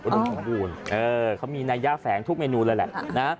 อุดมงบูรณ์เขามีนายะแฝงทุกเมนูเลยแหละ